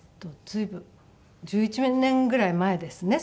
随分１１年ぐらい前ですね